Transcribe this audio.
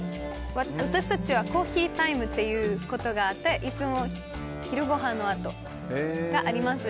私たちはコーヒータイムということがあっていつも昼ごはんのあとにあります。